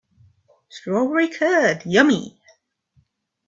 Strawberry curd, yummy!